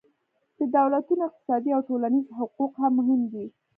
د دولتونو اقتصادي او ټولنیز حقوق هم مهم دي